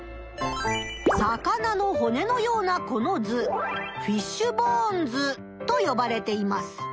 さかなのほねのようなこの図フィッシュ・ボーン図とよばれています。